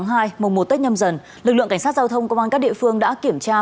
ngày một tháng hai mùa một tết nhâm dần lực lượng cảnh sát giao thông công an các địa phương đã kiểm tra